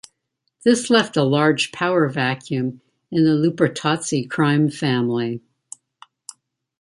This left a large power vacuum in the Lupertazzi crime family.